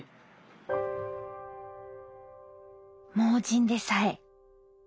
盲人でさえ。